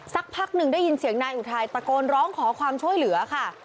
สักพักหนึ่งได้ยินเสียงนายอุทัยตะโกนร้องขอความช่วยเหลือค่ะ